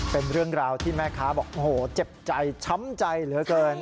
เป็นเรื่องราวที่แม่ค้าบอกโอ้โหเจ็บใจช้ำใจเหลือเกิน